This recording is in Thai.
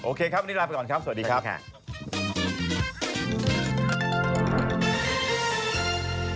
ครับวันนี้ลาไปก่อนครับสวัสดีครับ